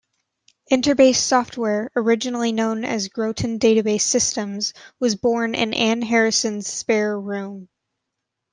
InterBase Software-originally known as Groton Database Systems-was born in Ann Harrison's spare room.